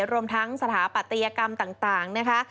รวมทั้งสถาปัตยกรรมต่างนะคะ